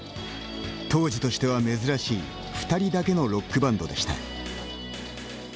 当時としては珍しい二人だけのロックバンドでした。